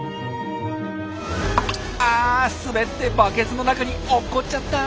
あ滑ってバケツの中に落っこっちゃった！